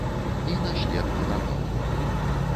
І на след не напаў.